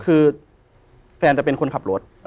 คือแฟนจะเป็นคนขับรถ